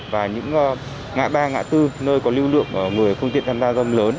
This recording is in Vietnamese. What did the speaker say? và những ngã ba ngã tư nơi có lưu lượng người phương tiện tham gia dòng lớn